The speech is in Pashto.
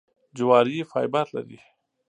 جواري فایبر لري .